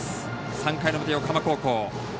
３回の表、横浜高校。